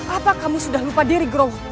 apa kamu sudah lupa diri grow